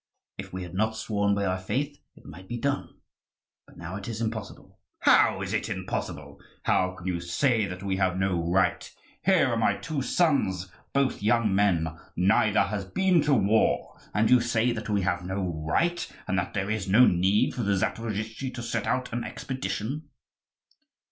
If we had not sworn by our faith, it might be done; but now it is impossible." "How is it impossible? How can you say that we have no right? Here are my two sons, both young men. Neither has been to war; and you say that we have no right, and that there is no need for the Zaporozhtzi to set out on an expedition."